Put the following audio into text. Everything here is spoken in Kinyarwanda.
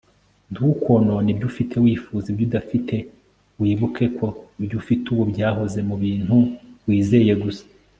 ntukonone ibyo ufite wifuza ibyo udafite; wibuke ko ibyo ufite ubu byahoze mubintu wizeye gusa